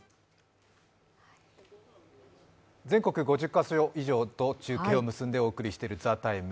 全国５０カ所以上と中継を結んでお送りしている「ＴＨＥＴＩＭＥ，」